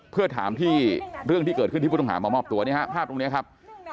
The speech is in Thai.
เพื่อถามที่เรื่องที่เกิดขึ้นที่ผู้ต้องหามามอบตัวเนี่ยฮะภาพตรงนี้ครับ